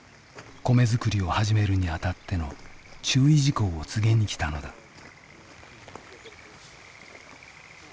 米づくりを始めるにあたっての注意事項を告げに来たのだ。